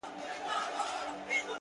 زه نه كړم گيله اشــــــــــــنا؛